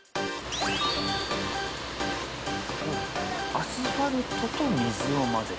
アスファルトと水を混ぜる？